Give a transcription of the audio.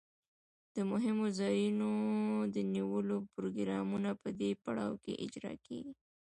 د مهمو ځایونو د نیولو پروګرامونه په دې پړاو کې اجرا کیږي.